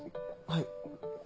はい。